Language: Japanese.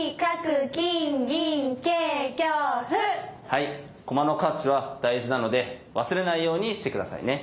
はい駒の価値は大事なので忘れないようにして下さいね。